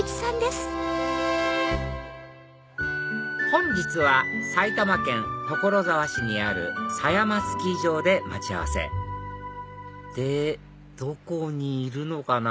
本日は埼玉県所沢市にある狭山スキー場で待ち合わせでどこにいるのかな？